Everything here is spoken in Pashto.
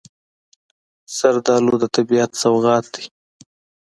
زردالو د طبیعت سوغات دی.